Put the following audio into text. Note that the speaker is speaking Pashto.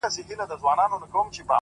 كه زړه يې يوسې و خپل كور ته گراني ،